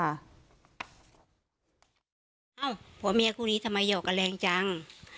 อ้าวผัวเมียคู่นี้ทำไมหอกกันแรงจัง